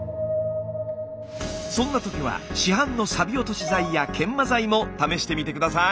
そんな時は市販のサビ落とし剤や研磨剤も試してみて下さい。